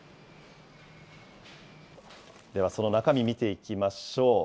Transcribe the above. では、その中身見ていきましょう。